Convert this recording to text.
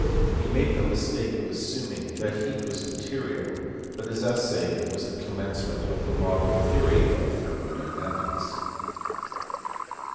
He made the mistake of assuming that heat was material, but his essay was the commencement of the modern theory of thermo dynamics.